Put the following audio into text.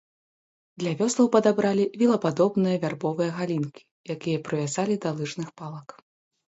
Для вёслаў падабралі вілападобныя вярбовыя галінкі, якія прывязалі да лыжных палак.